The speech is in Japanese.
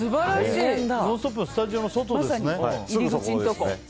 「ノンストップ！」のスタジオの外ですね。